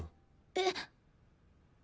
えっ。